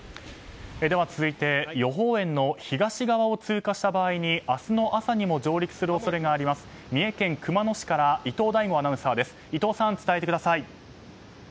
続いて予報円の東側を通過した場合に明日の朝にも上陸する恐れがある三重県熊野市から伊藤大悟アナウンサーです。